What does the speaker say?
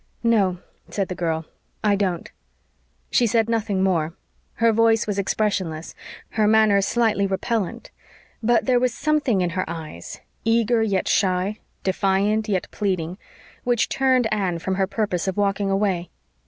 "No," said the girl, "I don't." She said nothing more; her voice was expressionless; her manner slightly repellent; but there was something in her eyes eager yet shy, defiant yet pleading which turned Anne from her purpose of walking away.